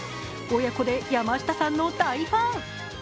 親子で山下さんの大ファン。